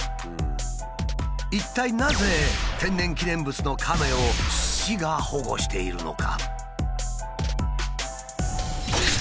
一体なぜ天然記念物のカメを市が保護しているのか？